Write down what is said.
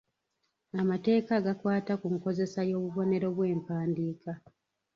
Amateeka agakwata ku nkozesa y’obubonero bw’empandiika.